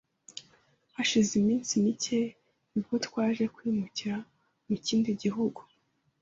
Hashize iminsi mike nibwo twaje kwimukira mu kindi gihugu,